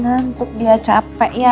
nginget dia capek ya